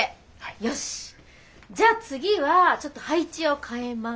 よしじゃあ次はちょっと配置を変えます。